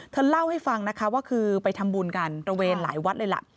เธอเล่าให้ฟังนะคะว่าคือไปทำบุญกันตระเวนหลายวัดเลยล่ะ